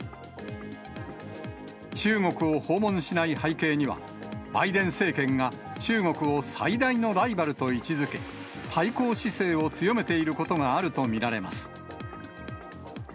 中国を訪問しない背景には、バイデン政権が中国を最大のライバルと位置づけ、対抗姿勢を強めていることがあると見られます。